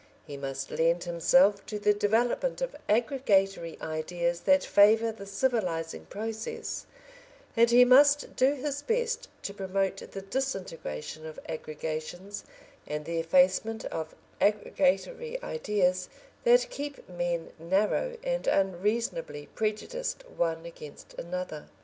He must lend himself to the development of aggregatory ideas that favour the civilising process, and he must do his best to promote the disintegration of aggregations and the effacement of aggregatory ideas, that keep men narrow and unreasonably prejudiced one against another.